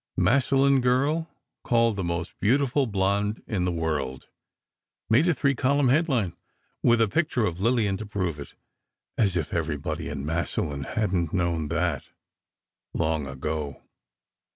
"MASSILLON GIRL CALLED THE MOST BEAUTIFUL BLONDE IN THE WORLD" made a three column headline, with a picture of Lillian to prove it; as if everybody in Massillon hadn't known that, long ago.